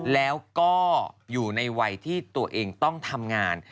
แล้วก็อยู่ในวัยที่ตัวเองต้องทำงาน